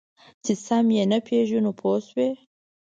چې سم یې نه پېژنو پوه شوې!.